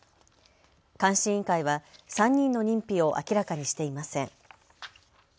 監視委員会は３人の認否を明らかにしていません。